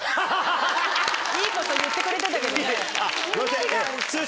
いいこと言ってくれてたけどね。